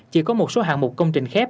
chỉ có một số hạng mục công trình khép